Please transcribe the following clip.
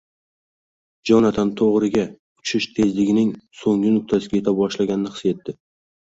Jonatan to‘g‘riga uchish tezligining so‘nggi nuqtasiga yeta boshlaganini his etdi.